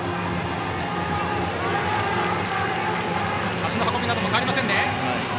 足の運びなども変わっていません。